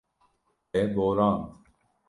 Te borand.